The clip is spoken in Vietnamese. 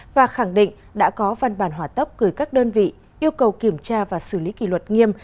và khẳng định đã có văn bản hỏa tốc gửi các đơn vị yêu cầu kiểm tra và xử lý kỷ luật nghiêm